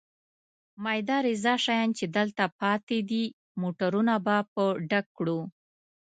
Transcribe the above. مېده رېزه شیان چې دلته پاتې دي، موټرونه به په ډک کړو.